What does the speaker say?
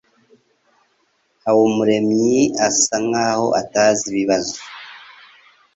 Habumuremwi asa nkaho atazi ibibazo